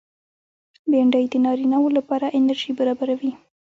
بېنډۍ د نارینه و لپاره انرژي برابروي